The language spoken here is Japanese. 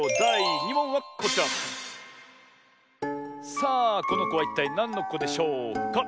さあこのこはいったいなんのこでしょうか？